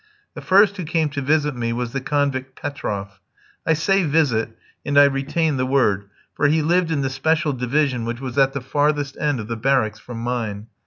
The first who came to visit me was the convict Petroff. I say visit, and I retain the word, for he lived in the special division which was at the farthest end of the barracks from mine.